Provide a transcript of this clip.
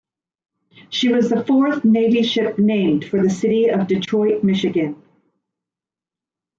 She was the fourth Navy ship named for the city of Detroit, Michigan.